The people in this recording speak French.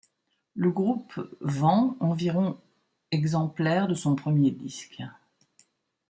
Le groupe vend environ exemplaires de son premier disque.